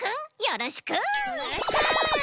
よろしく！